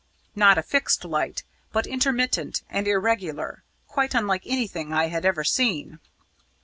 Not a fixed light, but intermittent and irregular quite unlike anything I had ever seen."